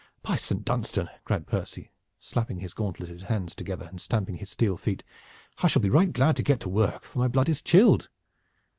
"By Saint Dunstan!" cried Percy, slapping his gauntleted hands together and stamping his steel feet. "I shall be right glad to get to work, for my blood is chilled."